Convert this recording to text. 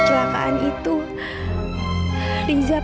riza pasti akan berhenti mencari aku